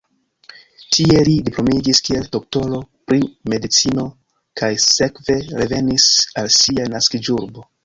Tie li diplomiĝis kiel doktoro pri medicino kaj sekve revenis al sia naskiĝurbo.